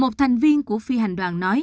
một thành viên của phi hành đoàn nói